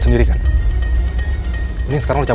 memang tidak akan kebetulan ke tiny